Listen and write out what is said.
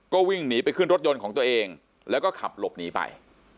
ก็วิ่งหนีไปขึ้นรถยนต์ของตัวเองแล้วก็ขับหลบหนีไป